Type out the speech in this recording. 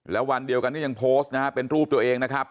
และวันเดียวกันก็ยังโพสต์เป็นรูปตัวเองนะครับ